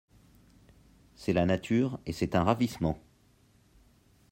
C'est la nature, et c'est un ravissement.